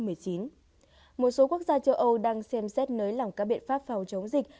một số quốc gia châu âu đang xem xét nới lỏng các biện pháp phòng chống dịch